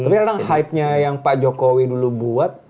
tapi emang hype nya yang pak jokowi dulu buat